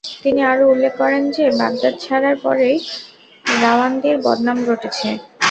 তিনি আরো উল্লেখ করেন যে, বাগদাদ ছাড়ার পরেই রাওয়ান্দির বদনাম রটেছে।